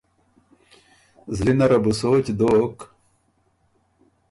زلی نره بُو سوچ دوک۔